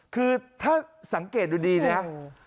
คือถ้าสังเกตดูดีนะครับ